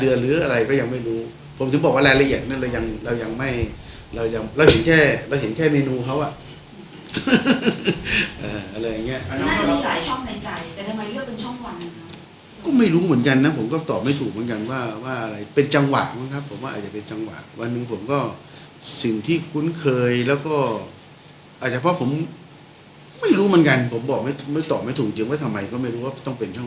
ความรักที่มันก็มีความรักที่มันก็มีความรักที่มันก็มีความรักที่มันก็มีความรักที่มันก็มีความรักที่มันก็มีความรักที่มันก็มีความรักที่มันก็มีความรักที่มันก็มีความรักที่มันก็มีความรักที่มันก็มีความรักที่มันก็มีความรักที่มันก็มีความรักที่มันก็มีความรักที่มัน